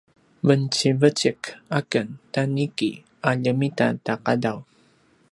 vencivecik a ken ta niki a ljemitaqadaw